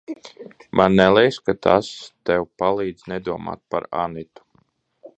Man neliekas, ka tas tev palīdz nedomāt par Anitu.